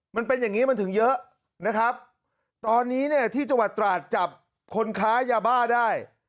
มันเป็นอย่างนี้มันถึงเยอะนะครับตอนนี้เนี่ยที่จังหวัดตราดจับคนค้ายาบ้าได้